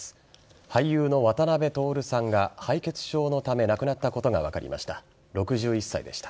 俳優の渡辺徹さんが敗血症のため亡くなったことが分かりました。